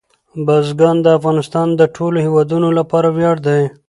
بزګان د افغانستان د ټولو هیوادوالو لپاره ویاړ دی.